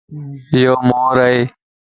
ايو مور ائي